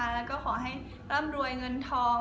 แล้วก็ขอให้ร่ำรวยเงินทอง